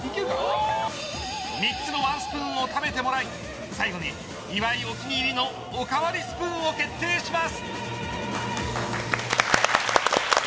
３つのワンスプーンを食べてもらい最後に岩井お気に入りのおかわりスプーンを決定します。